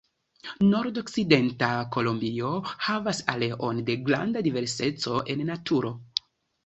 Nordokcidenta Kolombio havas areon de granda diverseco en naturo.